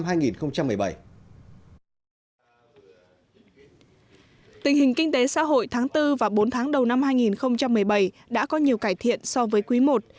tình hình kinh tế xã hội tháng bốn và bốn tháng đầu năm hai nghìn một mươi bảy đã có nhiều cải thiện so với quý i